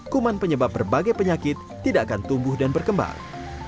kuman penyebab berbagai penyakit tidak akan tumbuh dan berkembang